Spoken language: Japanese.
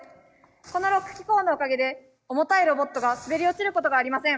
このロック機構のおかげで重たいロボットが滑り落ちることがありません。